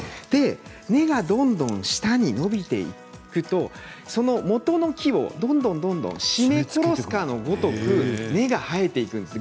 根がどんどん下に伸びていくともとの木をどんどんどんどん絞め殺すかのごとく根が生えていくんです。